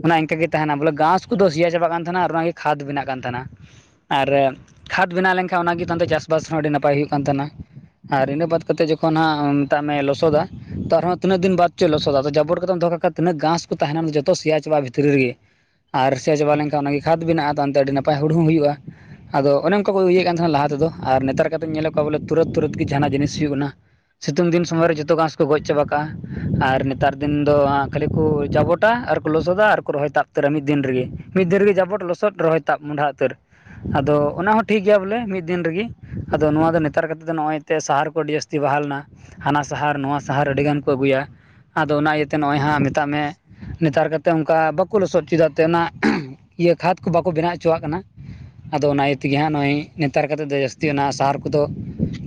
ᱚᱱᱟ ᱤᱱᱠᱟᱹ ᱜᱮ ᱛᱟᱦᱮᱱᱟ ᱵᱚᱞᱮ ᱜᱷᱟᱥ ᱠᱚᱫᱚ ᱥᱤᱭᱟ ᱪᱟᱵᱟᱜ ᱠᱟᱱ ᱛᱟᱦᱮᱱᱟ ᱟᱨ ᱚᱱᱟᱜᱮ ᱠᱷᱟᱫᱽ ᱵᱮᱱᱟᱜ ᱠᱟᱱ ᱛᱟᱦᱮᱱᱟ ᱟᱨ ᱠᱷᱟᱫᱽ ᱵᱮᱱᱟᱣ ᱞᱮᱱᱠᱷᱟᱱ ᱚᱱᱟᱜᱮᱛᱮ ᱪᱟᱥᱵᱟᱥ ᱦᱚᱸ ᱟᱹᱰᱤ ᱱᱟᱯᱟᱭ ᱦᱩᱭᱩᱜ ᱠᱟᱱ ᱛᱟᱦᱮᱱᱟ ᱟᱨ ᱤᱱᱟᱹ ᱵᱟᱫᱽ ᱠᱟᱛᱮᱫ ᱡᱚᱠᱷᱚᱱ ᱦᱟᱸᱜ ᱢᱮᱛᱟᱜ ᱢᱮ ᱞᱚᱥᱚᱫᱟ ᱛᱚ ᱟᱨᱦᱚᱸ ᱛᱤᱱᱟᱹᱜ ᱫᱤᱱ ᱵᱟᱫ ᱪᱚ ᱞᱚᱥᱚᱫ ᱛᱚ ᱟᱨᱦᱚ ᱛᱤᱱᱟᱹᱜ ᱫᱤᱱ ᱵᱟᱫᱪᱚᱭ ᱞᱚᱥᱚᱫᱟ ᱟᱫᱚ ᱡᱟᱵᱚᱴ ᱠᱟᱛᱮᱢ ᱫᱚᱦᱚ ᱠᱟᱜᱟ ᱠᱷᱟᱱ ᱛᱤᱱᱟᱹᱜ ᱜᱷᱟᱥ ᱛᱟᱸᱦᱮᱱᱟ ᱡᱚᱛᱚ ᱥᱮᱭᱟ ᱪᱟᱵᱟ ᱟ ᱵᱷᱤᱛᱨᱤ ᱨᱮᱜᱮ ᱟᱨ ᱥᱮᱭᱟ ᱪᱟᱵᱟ ᱞᱮᱱᱠᱷᱟᱱ ᱚᱱᱟᱜᱮ ᱠᱷᱟᱫᱽ ᱵᱮᱱᱟᱜᱼᱟ ᱛᱚ ᱦᱟᱱᱛᱮ ᱟᱹᱰᱤ ᱱᱟᱯᱟᱭ ᱦᱩᱲᱩ ᱦᱚᱸ ᱦᱩᱭᱩᱜᱼᱟ ᱟᱫᱚ ᱚᱱᱮ ᱚᱱᱠᱟ ᱠᱚ ᱤᱭᱮᱫ ᱠᱟᱱ ᱛᱟᱦᱮᱱᱟ ᱟᱫᱚ ᱚᱱᱮ ᱚᱱᱠᱟ ᱠᱚ ᱤᱭᱟ. ᱜ ᱠᱟᱱ ᱛᱟᱸᱦᱮᱱᱟ ᱞᱟᱦᱟ ᱛᱮᱫᱚ ᱟᱨ ᱱᱮᱛᱟᱨ ᱠᱟᱛᱮᱧ ᱧᱮᱞᱮᱫ ᱠᱚᱣᱟ ᱵᱚᱞᱮ ᱛᱩᱨᱟᱹᱛ ᱛᱩᱨᱟᱹᱛ ᱜᱮ ᱡᱟᱦᱟᱱᱟᱜ ᱡᱤᱱᱤᱥ ᱦᱩᱭᱩᱜ ᱠᱟᱱᱟ ᱥᱤᱛᱩᱝ ᱫᱤᱱ ᱥᱚᱢᱚᱭ ᱨᱮ ᱡᱚᱛᱚ ᱜᱷᱟᱥ ᱠᱚ ᱜᱚᱡ ᱪᱟᱵᱟ ᱠᱟᱱᱟ ᱟᱨ ᱱᱮᱛᱟᱨ ᱫᱤᱱ ᱫᱚ ᱠᱷᱟᱹᱞᱤ ᱠᱚ ᱡᱟᱵᱚᱴᱟ ᱟᱨᱠᱚ ᱞᱚᱥᱚᱫᱟ ᱟᱨᱠᱚ ᱨᱚᱦᱚᱭ ᱛᱟᱵ ᱩᱛᱟᱹᱨᱟ ᱢᱤᱫ ᱫᱤᱱ ᱨᱮᱜᱮ ᱢᱤᱫ ᱫᱷᱟᱣ ᱨᱮᱜᱮ ᱡᱟᱵᱚᱴ ᱞᱚᱥᱚᱫ ᱨᱚᱦᱚᱭ ᱛᱟᱵ ᱢᱚᱰᱦᱟ ᱩᱛᱟᱹᱨ ᱟᱫᱚ ᱚᱱᱟ ᱦᱚᱸ ᱴᱷᱤᱠ ᱜᱮᱭᱟ ᱵᱚᱞᱮ ᱢᱤᱫ ᱟᱫᱚ ᱚᱱᱟ ᱦᱚ ᱴᱷᱤᱠ ᱜᱮᱭᱟ ᱵᱚᱞᱮ ᱢᱤ ᱫᱤᱱ ᱨᱮᱜᱮ ᱟᱫᱚ ᱱᱚᱣᱟ ᱫᱚ ᱱᱮᱛᱟᱨ ᱠᱟᱛᱮᱫᱚ ᱫᱚ ᱱᱚᱭᱼᱚᱭ ᱛᱮ ᱥᱟᱦᱟᱨ ᱠᱚ ᱟᱹᱰᱤ ᱡᱟᱥᱛᱤ ᱡᱟᱹᱛᱤ ᱵᱟᱦᱟᱞ ᱱᱟ ᱦᱟᱱᱟ ᱥᱟᱦᱟᱨ ᱱᱚᱣᱟ ᱥᱟᱦᱟᱨ ᱟᱹᱰᱤᱜᱟᱱ ᱠᱚ ᱟᱹᱜᱩᱭᱟ ᱟᱫᱚ ᱚᱱᱟ ᱤᱭᱟᱹᱛᱮ ᱱᱚᱜᱼᱚᱭ ᱦᱟᱸᱜ ᱢᱮᱛᱟᱜ ᱢᱮ ᱱᱮᱛᱟᱨ ᱠᱟᱛᱮᱫ ᱚᱱᱠᱟ ᱵᱟᱠᱚ ᱞᱚᱥᱚᱫ ᱦᱚᱪᱚᱭᱟ [inaudible] ᱪᱮᱫᱟᱜ ᱛᱮ ᱚᱱᱟ ᱤᱭᱟᱹ ᱠᱷᱟᱮᱛ ᱠᱚ ᱵᱟᱠᱚ ᱵᱮᱱᱟᱣ ᱦᱚᱪᱚᱣᱟᱜ ᱠᱟᱱᱟ। ᱟᱫᱚ ᱚᱱᱟ ᱤᱭᱟᱹ ᱛᱮᱜᱮ ᱦᱟᱸᱜ ᱱᱚᱜᱼᱚᱭ ᱱᱮᱛᱟᱨ ᱠᱟᱛᱮᱜ ᱫᱚ ᱡᱟᱹᱥᱛᱤ ᱚᱱᱟ ᱥᱟᱦᱟᱨ ᱠᱚᱫᱚ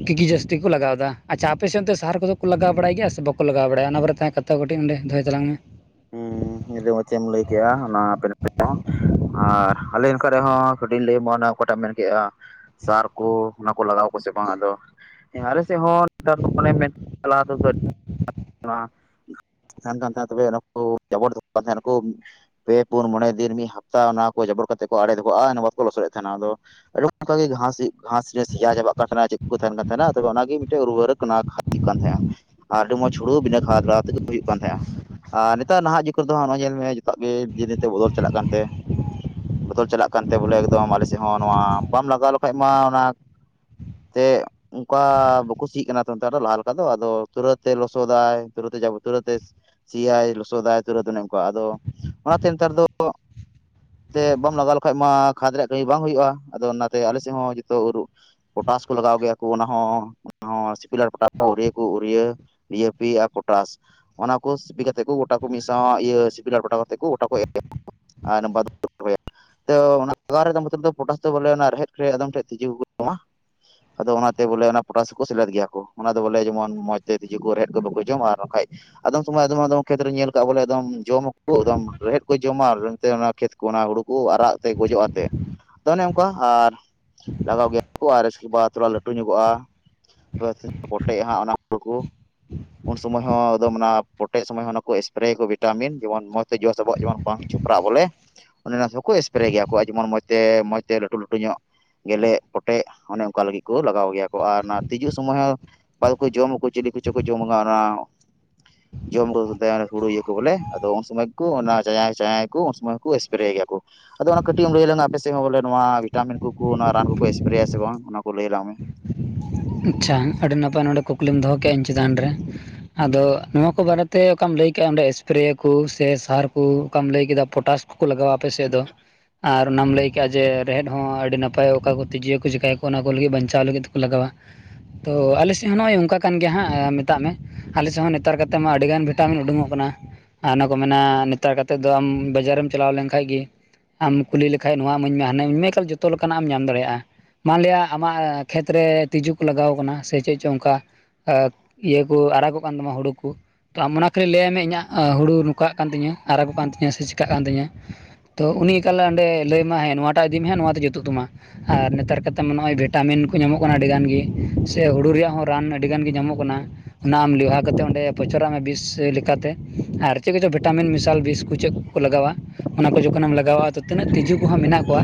ᱠᱤᱠᱤ ᱡᱟᱹᱥᱛᱤ ᱠᱚ ᱞᱟᱜᱟᱣ ᱮᱫᱟ। ᱟᱪᱪᱷᱟ ᱟᱯᱮ ᱥᱮᱫ ᱚᱱᱛᱮ ᱥᱟᱨ ᱠᱚᱫᱚ ᱠᱚ ᱞᱟᱜᱟᱣ ᱵᱟᱲᱟᱭ ᱜᱮᱭᱟ ᱥᱮ ᱵᱟᱠᱚ ᱞᱟᱜᱟᱣ ᱵᱟᱲᱟᱭᱟ ᱚᱱᱟ ᱯᱚᱨᱮ ᱛᱮ ᱠᱟᱛᱷᱟ ᱠᱟᱹᱴᱤᱡ ᱚᱸᱰᱮ ᱫᱚᱦᱚᱭ ᱛᱟᱞᱟᱝ ᱢᱮ। ᱦᱮᱸ [unintelligible] ᱪᱮᱢ ᱞᱟᱹᱭ ᱠᱮᱫᱼᱟ ᱚᱱᱟ [unintelligible] ᱦᱚᱸ ᱟᱨ ᱟᱞᱮ ᱱᱟᱠᱷᱟ ᱨᱮᱦᱚᱸ ᱠᱟᱹᱴᱤᱡ ᱞᱮᱹᱭ ᱢᱚᱱ ᱚᱠᱟᱴᱟᱜ ᱢᱮᱱ ᱠᱮᱫᱮᱜᱼᱟ ᱥᱟᱨ ᱠᱚ ᱚᱱᱟ ᱠᱚ ᱞᱟᱜᱟᱣ ᱟᱠᱚ ᱥᱮ ᱵᱟᱝ ᱟᱫᱚ ᱟᱞᱮ ᱥᱮᱫ ᱦᱚᱸ ᱱᱮᱛᱟᱨ [unintelligible] ᱱᱚᱣᱟ ᱛᱟᱸᱦᱮᱱ ᱠᱟᱱ ᱛᱟᱸᱦᱮᱱᱟ ᱛᱚᱵᱮ ᱚᱱᱟᱠᱚ ᱡᱟᱵᱚᱴ ᱫᱚᱦᱚ ᱠᱟᱱ ᱛᱟᱸᱦᱮ ᱱᱟᱠᱚ [unintelligible] ᱯᱮ ᱯᱩᱱ ᱢᱚᱬᱮ ᱫᱤᱱ ᱢᱤᱫ ᱦᱟᱯᱛᱟ ᱚᱱᱟ ᱠᱚ ᱡᱟᱵᱚᱨ ᱠᱟᱛᱮ ᱠᱚ ᱟᱲᱮ ᱫᱚᱦᱚ ᱠᱟᱜᱼᱟ ᱤᱱᱟᱹ ᱵᱟᱫ ᱠᱚ ᱞᱚᱥᱚᱫᱮᱫ ᱛᱟᱸᱦᱮᱱᱟ ᱟᱫᱚ ᱟᱨᱦᱚ ᱚᱱᱠᱟ ᱜᱮ ᱜᱷᱟ ᱜᱷᱟᱥᱨᱮ ᱥᱮᱭᱟ ᱪᱟᱵᱟᱜ ᱠᱟᱱ ᱛᱟᱸᱦᱮᱱᱟ ᱪᱮᱫ ᱠᱚ ᱛᱟᱦᱮᱱ ᱠᱟᱱ ᱛᱟᱸᱦᱮᱱᱟ ᱛᱚᱵᱮ ᱚᱱᱟᱜᱮ ᱢᱤᱫᱴᱟᱝ ᱨᱩᱣᱟᱹᱨᱮ ᱠᱟᱱᱟ ᱠᱷᱟᱫ᱾ ᱦᱩᱭᱩᱜ ᱠᱟᱱ ᱛᱟᱸᱦᱮᱱᱟ ᱟᱨ ᱟᱹᱰᱤ ᱢᱚᱸᱡᱽ ᱦᱩᱲᱩ ᱵᱤᱱᱟᱹ ᱠᱷᱟᱫ ᱵᱟᱝ ᱛᱮᱜᱮ ᱦᱩᱭᱩᱜ ᱠᱟᱱ ᱛᱟᱸᱦᱮᱜᱼᱟ ᱟᱨ ᱱᱮᱛᱟᱨ ᱱᱟᱦᱟᱜ ᱡᱩᱜᱽ ᱠᱚᱨᱮᱫᱚ ᱱᱚᱚᱭ ᱧᱮᱞ ᱢᱮ ᱡᱚᱛᱚᱣᱟᱜ ᱜᱮ ᱫᱤᱱ ᱫᱤᱱ ᱛᱮ ᱵᱚᱫᱚᱞ ᱪᱟᱞᱟᱜ ᱠᱟᱱᱛᱮ ᱵᱚᱫᱚᱞ ᱪᱟᱞᱟᱜ ᱠᱟᱱᱛᱮ ᱵᱚᱞᱮ ᱮᱠᱫᱚᱢ ᱟᱞᱮ ᱥᱮᱫ ᱦᱚᱸ ᱱᱚᱣᱟ ᱵᱟᱢ ᱞᱟᱜᱟᱣ ᱞᱮᱠᱷᱟᱡ ᱢᱟ ᱚᱱᱟ ᱛᱮ ᱚᱱᱠᱟ ᱵᱟᱠᱚ ᱥᱤᱜ ᱠᱟᱱᱟ ᱛᱚ ᱱᱮᱛᱟᱨ ᱫᱚ ᱞᱟᱦᱟ ᱞᱮᱠᱟ ᱫᱚ ᱟᱫᱚ ᱛᱩᱨᱟᱹᱛ ᱛᱮ ᱞᱚᱥᱚᱫ ᱥᱚᱫᱟᱭ [unintelligible] ᱥᱤᱭᱟᱭ ᱞᱚᱥᱚᱫᱟᱭ ᱛᱩᱨᱟᱹᱛ ᱚᱱᱮᱚᱱᱠᱟ ᱟᱫᱚ ᱚᱱᱟᱛᱮ ᱱᱮᱛᱟᱨᱫᱚ ᱛᱮ ᱵᱟᱢ ᱞᱟᱜᱟᱣ ᱞᱮᱠᱷᱟᱪ ᱢᱟ ᱠᱷᱟᱫᱽ ᱨᱮᱭᱟᱜ ᱠᱟᱹᱢᱤ ᱵᱟᱝ ᱦᱩᱭᱩᱜᱼᱟ ᱟᱫᱚ ᱚᱱᱟᱛᱮ ᱟᱞᱮ ᱥᱮᱫ ᱦᱚᱸ ᱡᱚᱛᱚ ᱯᱚᱴᱟᱥ ᱠᱚ ᱞᱟᱜᱟᱣ ᱜᱮᱭᱟ ᱠᱚ ᱚᱱᱟ ᱦᱚᱸ ᱥᱤᱯᱤᱞᱟᱨ ᱯᱚᱴᱟᱥ ᱠᱚ ᱩᱨᱤᱭᱟᱹ ᱠᱚ ᱩᱨᱤᱭᱟᱹ ᱰᱤᱭᱮᱯᱤ ᱟᱨ ᱯᱚᱴᱟᱥ ᱚᱱᱟ ᱠᱚ ᱥᱤᱯᱤ ᱠᱟᱛᱮᱫ ᱠᱚ ᱜᱚᱴᱟ ᱠᱚ ᱢᱤᱥᱟᱶᱟᱜ ᱤᱭᱟᱹ ᱥᱤᱯᱤᱞᱟᱨ ᱠᱚᱴᱟ ᱠᱟᱛᱮ ᱠᱚ ᱜᱚᱴᱟ ᱠᱚ ᱮᱨᱟ ᱟᱨ ᱤᱱᱟᱹ ᱵᱟᱫ ᱛᱩᱫᱼᱨᱚᱦᱚᱭᱟ [unintelligible] ᱛᱚ ᱚᱱᱟ [unintelligible] ᱨᱮ ᱯᱚᱴᱟᱥ ᱫᱚ ᱵᱚᱞᱮ ᱚᱱᱟ ᱨᱮᱦᱮᱫ ᱨᱮ ᱟᱫᱚᱢᱴᱷᱮᱡ ᱛᱤᱡᱩ ᱠᱚ ᱡᱚᱢᱟ ᱟᱫᱚ ᱚᱱᱟᱛᱮ ᱵᱚᱞᱮ ᱚᱱᱟ ᱯᱚᱴᱟᱥᱠᱚ ᱥᱮᱞᱮᱫ ᱜᱮᱭᱟ ᱠᱚ ᱚᱱᱟ ᱫᱚ ᱵᱚᱞᱮ ᱡᱮᱢᱚᱱ ᱢᱚᱸᱡᱽ ᱛᱮ [unintelligible] [unintelligible] ᱠᱚ ᱨᱮᱦᱮᱫ ᱠᱚ ᱵᱟᱠᱚ ᱡᱚᱢᱟ ᱟᱨ ᱵᱟᱠᱷᱟᱪ ᱟᱫᱚᱢ ᱥᱚᱢᱚᱭ ᱟᱫᱚᱢ ᱟᱫᱚᱢ ᱠᱷᱮᱛ ᱨᱮ ᱧᱮᱞ ᱠᱟᱜᱼᱟ ᱵᱚᱞᱮ ᱮ ᱡᱚᱢᱟᱠᱚ ᱟᱫᱚᱢ ᱨᱮᱦᱮᱫ ᱠᱚ ᱡᱚᱢᱟ ᱢᱮᱱᱛᱮ ᱚᱱᱟ ᱠᱷᱮᱛ ᱚᱱᱟ ᱦᱩᱲᱩ ᱠᱚ ᱟᱨᱟᱜ ᱛᱮ ᱜᱚᱡᱚᱜ ᱟᱛᱮᱫ ᱟᱫᱚ ᱚᱱᱮ ᱚᱱᱠᱟ ᱟᱨ ᱞᱟᱜᱟᱣ ᱜᱮᱭᱟ ᱠᱚ ᱩᱥᱠᱮᱵᱟᱫ ᱛᱷᱚᱲᱟ ᱞᱟᱹᱴᱩ ᱧᱚᱜᱚᱜᱼᱟ [unintelligible] ᱠᱚᱴᱮᱡ ᱦᱟᱜ ᱚᱱᱟ ᱦᱩᱲᱩ ᱠᱩ ᱩᱱ ᱥᱚᱢᱚᱭ ᱦᱚᱸ ᱚᱱᱟ ᱯᱚᱴᱮᱜ ᱥᱚᱢᱚᱭ ᱦᱚᱸ ᱚᱱᱟᱠᱩ ᱮᱥᱯᱨᱮ ᱠᱚ ᱵᱷᱤᱴᱟᱢᱤᱱ ᱡᱮᱢᱚᱱ ᱢᱚᱸᱡᱽ ᱛᱮ ᱡᱚ ᱥᱟᱵᱚᱜ ᱡᱮᱢᱚᱱ ᱵᱟᱝ ᱡᱚᱯᱲᱟᱜ ᱵᱚᱞᱮ ᱚᱱᱮ ᱚᱱᱟᱠᱚ ᱮᱥᱯᱨᱮ ᱜᱮᱭᱟ ᱠᱚ ᱡᱮᱢᱚᱱ ᱢᱚᱡᱽ ᱛᱮ ᱢᱚᱸᱡᱽ ᱛᱮ ᱞᱟᱹᱴᱩ ᱞᱟᱹᱴᱩ ᱧᱚᱜ ᱜᱮᱞᱮᱜ ᱯᱚᱴᱮᱜ ᱚᱱᱮ ᱚᱱᱠᱟ ᱞᱟᱹᱜᱤᱫ ᱠᱚ ᱞᱟᱜᱟᱣ ᱜᱮᱭᱟ ᱠᱚ ᱟᱨ ᱚᱱᱟ ᱛᱤᱡᱩᱜ ᱥᱚᱢᱚᱭ ᱦᱚᱸ ᱚᱠᱟ ᱫᱚᱠᱚ ᱡᱚᱢᱟ ᱠᱚ ᱪᱤᱞᱤ ᱠᱚᱪᱚ ᱠᱚ ᱡᱚᱢᱟ ᱚᱱᱟ ᱡᱚᱢ ᱫᱚ ᱦᱩᱲᱩ ᱤᱭᱟᱹᱠᱚ ᱵᱚᱞᱮ ᱟᱫᱚ ᱩᱱ ᱥᱚᱢᱚᱭ ᱠᱚ ᱚᱱᱟ ᱪᱟᱭᱟᱭ ᱪᱟᱭᱟᱭ ᱠᱚ ᱩᱱ ᱥᱚᱢᱚᱭ ᱠᱚ ᱮᱥᱯᱨᱮ ᱜᱮᱭᱟ ᱠᱚ ᱟᱫᱚ ᱚᱱᱟ ᱠᱟᱹᱴᱤᱡ ᱮᱢ ᱞᱟᱹᱭ ᱟᱞᱟᱝᱟ ᱟᱯᱮ ᱥᱮᱫ ᱦᱚᱸ ᱵᱚᱞᱮ ᱱᱚᱣᱟ ᱵᱷᱤᱴᱟᱢᱤᱱ ᱠᱚ ᱠᱚ ᱱᱚᱣᱟ ᱨᱟᱱ ᱠᱚᱠᱚ ᱮᱥᱯᱨᱮ ᱟᱥᱮ ᱵᱟᱝ ᱚᱱᱟ ᱠᱚ ᱞᱟᱹᱭ ᱟᱞᱟᱝ ᱢᱮ ᱟᱪᱪᱷᱟ ᱟᱹᱰᱤ ᱱᱟᱯᱟᱭ ᱱᱚᱰᱮ ᱠᱩᱠᱞᱤᱢ ᱫᱚᱦᱚ ᱠᱮᱫᱼᱟ ᱤᱧ ᱪᱮᱛᱟᱱ ᱨᱮ ᱟᱫᱚ ᱱᱚᱣᱟ ᱠᱚ ᱵᱟᱨᱮᱛ ᱚᱠᱟᱢ ᱞᱟᱹᱭ ᱠᱮᱼᱟ ᱚᱱᱰᱮ ᱥᱯᱨᱮᱭᱟᱠᱩ ᱥᱮ ᱥᱟᱨᱠᱩ ᱚᱠᱟᱢ ᱞᱟᱹᱭ ᱠᱮᱫᱟ ᱯᱚᱴᱟᱥ ᱠᱚ ᱞᱟᱜᱟᱣᱟ ᱟᱯᱮ ᱥᱮᱫ ᱫᱚ ᱟᱨ ᱚᱱᱟᱢ ᱞᱟᱹᱭ ᱠᱟᱼᱟ ᱡᱮ ᱨᱮᱦᱮᱫ ᱦᱚᱸ ᱟᱹᱰᱤ ᱱᱟᱯᱟᱭ ᱚᱠᱟᱠᱚ ᱛᱤᱡᱩᱭᱟᱠᱚ ᱪᱮᱠᱟᱭᱟ ᱠᱚ ᱚᱱᱟᱠᱚ ᱞᱟᱜᱤᱫ ᱵᱟᱧᱪᱟᱣ ᱞᱟᱜᱤᱫ ᱜᱮᱠᱚ ᱞᱟᱜᱟᱣᱼᱟ ᱾ [unintelligible] ᱛᱚ ᱟᱞᱮ ᱥᱮᱫ ᱦᱚᱸ ᱱᱚᱜᱼᱚᱭ ᱚᱱᱠᱟ ᱠᱟᱱ ᱜᱮᱭᱟ ᱦᱟᱸᱜ ᱢᱮᱛᱟᱜ ᱢᱮ ᱟᱞᱮ ᱥᱮᱫ ᱦᱚᱸ ᱱᱮᱛᱟᱨ ᱠᱟᱛᱮ ᱢᱟ ᱟᱹᱰᱤᱜᱟᱱ ᱵᱷᱤᱴᱟᱢᱤᱱ ᱩᱰᱩᱠᱚᱜ ᱠᱟᱱᱟ ᱾ ᱟᱨ ᱚᱱᱟ ᱠᱚ ᱢᱮᱱᱟ ᱱᱮᱛᱟᱨ ᱠᱟᱛᱮᱫ ᱫᱚ ᱟᱢ ᱵᱟᱡᱟᱨᱮᱢ ᱪᱟᱞᱟᱣ ᱞᱮᱱ ᱠᱷᱟᱡ ᱜᱮ ᱟᱢ ᱠᱩᱞᱤ ᱞᱮᱠᱷᱟᱡ ᱱᱚᱣᱟ ᱤᱢᱟᱧ ᱢᱮ ᱦᱟᱱᱮ ᱤᱢᱟᱧ ᱢᱮ ᱮᱠᱟᱞ ᱡᱚᱛᱚ ᱞᱮᱠᱟᱱᱟᱜ ᱮᱢ ᱧᱟᱢ ᱫᱟᱲᱮᱭᱟᱜᱼᱟ ᱾ ᱢᱟᱱᱞᱤᱭᱟ ᱟᱢᱟᱜ ᱠᱷᱮᱛᱨᱮ ᱛᱤᱡᱩ ᱠᱚ ᱞᱟᱜᱟᱣ ᱠᱟᱱᱟ ᱥᱮ ᱪᱮᱫ ᱪᱚᱝ ᱚᱱᱠᱟ? ᱟᱻᱤᱭᱟᱹ ᱠᱚ ᱟᱨᱟᱜᱚᱜ ᱠᱟᱱ ᱛᱟᱢᱟ ᱦᱩᱲᱩ ᱠᱚ ᱛ ᱟᱢ ᱚᱱᱟ ᱠᱷᱟᱹᱞᱤ ᱞᱟᱹᱭᱟᱭ ᱢᱮ ᱤᱧᱟᱹᱜ ᱦᱩᱲᱩ ᱱᱚᱝᱠᱟᱜ ᱠᱟᱱ ᱛᱤᱧᱟᱹ ᱟᱨᱟᱜᱽ ᱠᱟᱱ ᱛᱤᱧᱟᱹ ᱥᱮ ᱪᱤᱠᱟᱹᱜ ᱠᱟᱱ ᱛᱤᱧᱟᱹ ᱛᱚ ᱩᱱᱤ ᱮᱠᱟᱞᱮ ᱚᱸᱰᱮ ᱞᱟᱹᱭᱟᱢ ᱦᱮᱸ ᱱᱚᱣᱟᱴᱟᱜ ᱤᱫᱤ ᱢᱮ ᱱᱚᱣᱟ ᱛᱮ ᱡᱩᱛᱩᱜ ᱛᱟᱢᱟ ᱟᱨ ᱱᱮᱛᱟᱨ ᱠᱟᱛᱮᱫ ᱱᱚᱜᱼᱚᱭ ᱵᱷᱤᱴᱟᱢᱤᱱ ᱠᱚ ᱧᱟᱢᱚᱜ ᱠᱟᱱᱟ ᱟᱹᱰᱤᱜᱟᱱ ᱥᱮ ᱦᱩᱲᱩ ᱨᱮᱭᱟᱜ ᱦᱚᱸ ᱨᱟᱱ ᱟᱹᱰᱤᱜᱟᱱ ᱜᱮ ᱧᱟᱢᱚᱜ ᱠᱟᱱᱟ ᱚᱱᱟ ᱟᱢ ᱞᱮᱣᱦᱟ ᱠᱟᱛᱮ ᱚᱸᱰᱮ ᱯᱚᱪᱚᱨᱟᱜ ᱢᱮ ᱵᱤᱥ ᱞᱮᱠᱟᱛᱮ ᱟᱨ ᱪᱮᱫ ᱠᱚᱪᱚ ᱵᱷᱤᱴᱟᱢᱤᱱ ᱢᱮᱥᱟᱞ ᱵᱤᱥ ᱠᱚ ᱪᱮᱫ ᱠᱚ ᱞᱟᱜᱟᱣᱟ ᱚᱱᱟ ᱠᱚ ᱡᱚᱠᱷᱚᱱᱮᱢ ᱞᱟᱜᱟᱣᱟᱼᱟ ᱛᱤᱱᱟᱹᱜ ᱛᱸᱤᱡᱩ ᱠᱚᱦᱚᱸ ᱢᱮᱱᱟᱜ ᱠᱚᱣᱟ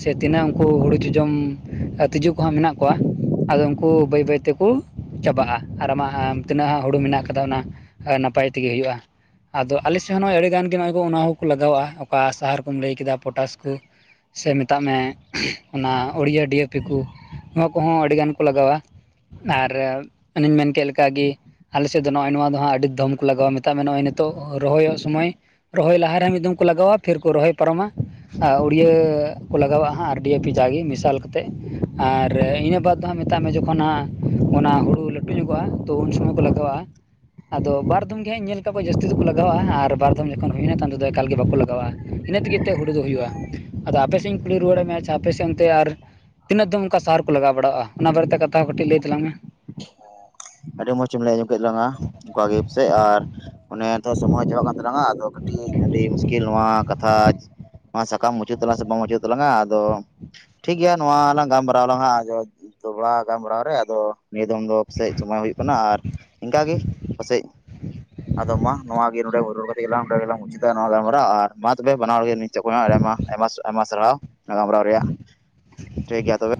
ᱥᱮ ᱛᱤᱱᱟᱹᱜ ᱩᱱᱠᱩ ᱦᱩᱲᱩ ᱪᱚ ᱡᱚᱢ ᱟᱨ ᱛᱤᱡᱩ ᱠᱚᱦᱚᱸ ᱢᱮᱱᱟᱜ ᱠᱚᱣᱟ ᱟᱫᱚ ᱩᱱᱠᱩ ᱵᱟᱹᱭ ᱵᱟᱹᱭ ᱛᱮᱠᱚ ᱪᱟᱵᱟᱜᱼᱟ ᱟᱨ ᱟᱢᱟᱜ ᱛᱤᱱᱟᱹᱜ ᱦᱟᱸᱜ ᱦᱩᱲᱩ ᱢᱮᱱᱟᱜ ᱠᱟᱫᱟ ᱚᱱᱟ ᱟᱻ ᱱᱟᱯᱟᱭ ᱛᱮᱜᱮ ᱦᱩᱭᱩᱜᱼᱟ ᱾ ᱟᱫᱚ ᱟᱞᱮ ᱥᱮᱫ ᱦᱚᱸ ᱱᱚᱜ-ᱚᱭ ᱟᱹᱰᱤ ᱜᱟᱱ ᱜᱮ ᱱᱚ ᱚᱱᱟ ᱦᱚᱸᱠᱚ ᱞᱟᱜᱟᱣᱟᱜᱼᱟ ᱚᱠᱟ ᱥᱟᱦᱟᱨ ᱠᱚᱢ ᱞᱟᱹᱭ ᱠᱮᱫᱟ ᱯᱚᱴᱟᱥ ᱠᱚ ᱥᱮ ᱢᱮᱛᱟᱜ ᱢᱮ ᱚᱱᱟ ᱳᱲᱤᱭᱟ ᱰᱤᱮ ᱮ ᱯᱤ ᱠᱚ ᱱᱚᱣᱟ ᱠᱚᱦᱚᱸ ᱟᱹᱰᱤᱜᱟᱱ ᱠᱚ ᱠᱚ ᱞᱟᱜᱟᱣᱟ ᱟᱨ ᱚᱱᱮᱧ ᱢᱮᱱ ᱠᱮᱫ ᱞᱮᱠᱟᱜᱤ ᱟᱞᱮ ᱥᱮᱫ ᱫᱚ ᱱᱚᱜᱼᱚᱭ ᱱᱚᱣᱟ ᱫᱚᱦᱟᱸᱜ ᱟᱹᱰᱤ ᱫᱚᱢ ᱠᱚ ᱞᱟᱜᱟᱣᱟ ᱢᱮᱛᱟᱜ ᱢᱮ ᱱᱚᱜᱼᱚᱭ ᱱᱤᱛᱚᱜ ᱨᱚᱦᱚᱭᱚᱜ ᱥᱚᱢᱚᱭ ᱨᱚᱦᱚᱭ ᱞᱟᱦᱟᱨᱮ ᱢᱤᱫ ᱫᱚᱢ ᱠᱚ ᱞᱟᱜᱟᱣᱟ ᱯᱷᱤᱨ ᱠᱚ ᱨᱚᱦᱚᱭ ᱯᱟᱨᱚᱢᱟ ᱟᱻᱩᱲᱤᱭᱟᱹ ᱠᱚ ᱞᱟᱜᱟᱣᱟᱜ ᱦᱟᱸᱜ ᱟᱨ ᱰᱤ ᱮ ᱯᱤ ᱡᱟᱜᱮ ᱢᱮᱥᱟᱞ ᱠᱟᱛᱮᱫ ᱟᱨ ᱤᱱᱟᱹ ᱵᱟᱫ ᱦᱟᱸᱜ ᱢᱮᱛᱟᱜ ᱢᱮ ᱡᱚᱠᱷᱚᱱ ᱦᱟᱸᱜ ᱚᱱᱟ ᱦᱩᱲᱩ ᱞᱟᱹᱴᱩ ᱧᱚᱜᱚᱜᱼᱟ ᱛᱚ ᱩᱱ ᱥᱚᱢᱚᱭ ᱠᱚ ᱞᱟᱜᱟᱣᱼᱟ ᱟᱫᱚ ᱵᱟᱨ ᱫᱚᱢ ᱜᱮ ᱦᱟᱸᱜ ᱧᱮᱞ ᱛᱟᱠᱚ ᱠᱚ ᱡᱟᱹᱥᱛᱤ ᱫᱚᱠᱚ ᱞᱟᱜᱟᱣᱟᱜᱼᱟ ᱟᱨ ᱵᱟᱨ ᱫᱚᱢ ᱡᱚᱠᱷᱚᱱ ᱦᱩᱭᱱᱟ ᱛᱚ ᱫᱚ ᱮᱠᱟᱞ ᱜᱮ ᱵᱟᱠᱚ ᱞᱟᱜᱟᱣᱼᱟ ᱾ ᱤᱱᱟᱹ ᱛᱮᱜᱮ ᱛᱮ ᱦᱩᱲᱩ ᱫᱚ ᱦᱩᱭᱩᱜᱼᱟ ᱟᱫᱚ ᱟᱯᱮ ᱥᱮᱫ ᱤᱧ ᱠᱩᱞᱤ ᱨᱩᱣᱟᱹᱲᱮᱫ ᱢᱮ-ᱟ ᱟᱯᱮ ᱥᱮᱫ ᱚᱱᱛᱮ ᱟᱨ ᱛᱤᱱᱟᱹᱜ ᱫᱚᱢ ᱚᱱᱠᱟ ᱥᱟᱨ ᱠᱚ ᱞᱟᱜᱟᱣ ᱵᱟᱲᱟᱜᱼᱟ ᱚᱱᱟ ᱵᱟᱨᱮᱛᱮ ᱠᱟᱛᱷᱟ ᱦᱚᱸ ᱠᱟᱹᱴᱤᱡ ᱞᱟᱹᱭ ᱛᱟᱞᱟᱝ ᱢᱮ ᱟᱹᱰᱤ ᱢᱚᱸᱡ ᱮᱢ ᱞᱟᱹᱭ ᱟᱡᱚᱢ ᱠᱮᱫ ᱞᱟᱝ-ᱟ᱾ ᱚᱱᱠᱟᱜ ᱜᱮ ᱥᱮ ᱟᱨ ᱚᱱᱮ ᱛᱚ ᱥᱚᱢᱚᱭ ᱪᱟᱵᱟᱜ ᱠᱟᱱ ᱛᱟᱞᱟᱝᱟ ᱟᱫᱚ ᱠᱟᱹᱴᱤᱡ ᱟᱹᱰᱤ ᱢᱩᱥᱠᱤᱞ ᱱᱚᱣᱟ ᱠᱟᱛᱷᱟᱡ ᱱᱚᱣᱟ ᱥᱟᱠᱟᱢ ᱢᱩᱪᱟᱹᱫ ᱛᱟᱞᱟᱝ ᱥᱮ ᱵᱟᱝ ᱢᱩᱪᱟᱹᱫ ᱛᱟᱞᱟᱝᱟ ᱟᱫᱚ ᱴᱷᱤᱠ ᱜᱮᱭᱟ ᱱᱚᱣᱟ ᱞᱟᱝ ᱜᱟᱞᱢᱟᱨᱟᱣ ᱟᱞᱟᱝ ᱦᱟᱸᱜ ᱟᱫᱚ ᱫᱚᱦᱚᱲᱟ ᱜᱟᱞᱢᱟᱨᱟᱣ ᱨᱮ ᱟᱫᱚ ᱱᱤᱭᱟᱹ ᱫᱚᱢ ᱫᱚ ᱯᱟᱥᱮᱡ [unintelligible] ᱦᱩᱭᱩᱜ ᱠᱟᱱᱟ ᱟᱨ ᱤᱱᱠᱟᱟᱜ ᱜᱮ ᱯᱟᱥᱮᱡ ᱟᱫᱚ ᱢᱟ ᱱᱚᱣᱟ ᱜᱮ ᱱᱚᱰᱮ ᱨᱚᱲ ᱠᱟᱛᱮ ᱜᱮ ᱜᱮᱞᱟᱝ ᱢᱩᱪᱟ ᱱᱚᱣᱟ ᱜᱟᱞᱢᱟᱨᱟᱣ ᱟᱨ ᱢᱟ ᱛᱚᱵᱮ ᱵᱟᱱᱟ ᱦᱚᱲ ᱜᱮ ᱟᱭᱢᱟ ᱟᱭᱢᱟ ᱟᱭᱢᱟ ᱥᱟᱨᱦᱟᱣ ᱜᱟᱞᱟᱨᱟᱣ ᱨᱮᱭᱟᱜ ᱴᱷᱤᱠ ᱜᱮᱭᱟ ᱛᱚᱵᱮ